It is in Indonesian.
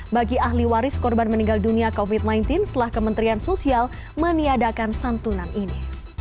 bagi ahli waris korban meninggal dunia covid sembilan belas setelah kementerian sosial meniadakan santunan ini